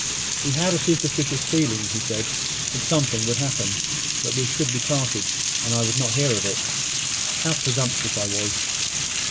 He had a superstitious feeling, he said, that something would happen that we should be parted: and I would not hear of it. How presumptuous I was!